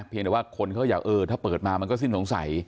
แต่ว่าคนเขาอยากเออถ้าเปิดมามันก็สิ้นสงสัย